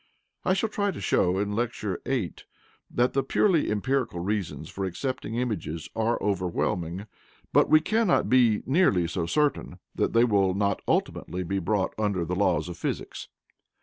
I shall try to show in Lecture VIII that the purely empirical reasons for accepting images are overwhelming. But we cannot be nearly so certain that they will not ultimately be brought under the laws of physics.